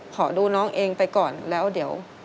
ขอดูน้องเองไปก่อนแล้วเดี๋ยว